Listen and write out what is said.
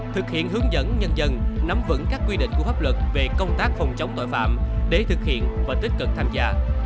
thực hiện hướng dẫn nhân dân nắm vững các quy định của pháp luật về công tác phòng chống tội phạm để thực hiện và tích cực tham gia